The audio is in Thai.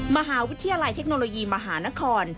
มหาวิทยาลัยเทคโนโลยีมหานคร